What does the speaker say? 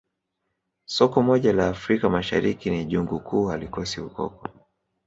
Soko moja la Afrika Mashariki ni jungu kuu halikosi ukoko